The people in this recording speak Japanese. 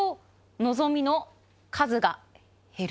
のぞみの数が減る？